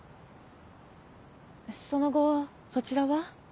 その後そちらは？